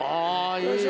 よいしょ。